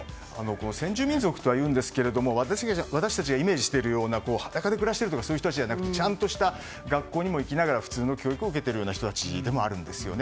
先住民族とはいいますが私たちがイメージしているような裸で暮らしているとかじゃなくてちゃんとした学校にも行って普通の教育を受けているような人たちでもあるんですよね。